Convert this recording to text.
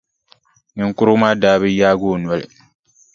Niŋkurugu maa daa bi yaagi o noli.